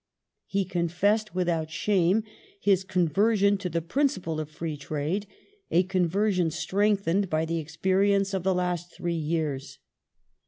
He confessed without shame his con version to the principle of free trade ; a conversion strengthened by the experience of the last three years.